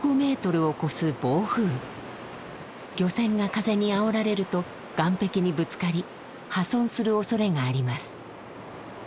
漁船が風にあおられると岸壁にぶつかり破損する恐れがあります。